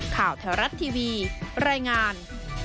ข่าวแถวรัฐทีวีรายงาน